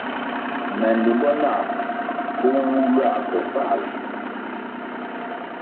Me limbo nah o wu ywa ke Fāla.